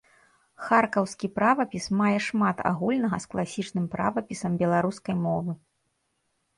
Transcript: Харкаўскі правапіс мае шмат агульнага з класічным правапісам беларускай мовы.